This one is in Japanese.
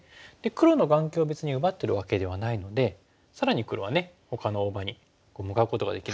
黒の眼形を別に奪ってるわけではないので更に黒はほかの大場に向かうことができます。